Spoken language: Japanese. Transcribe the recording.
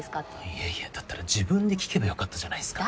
いやいやだったら自分で聞けば良かったじゃないっすか。